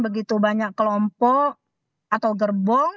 begitu banyak kelompok atau gerbong